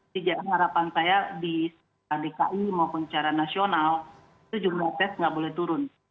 sejak harapan saya di dki maupun secara nasional itu jumlah tes nggak boleh turun